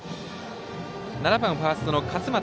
７番ファーストの勝股。